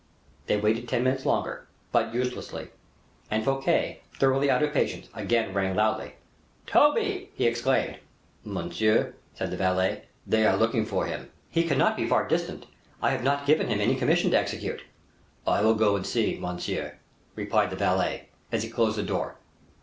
They waited ten minutes longer, but uselessly, and Fouquet, thoroughly out of patience, again rang loudly. "Toby!" he exclaimed. "Monseigneur," said the valet, "they are looking for him." "He cannot be far distant, I have not given him any commission to execute." "I will go and see, monseigneur," replied the valet, as he closed the door.